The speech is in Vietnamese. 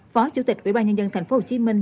phó chủ tịch ủy ban nhân dân thành phố hồ chí minh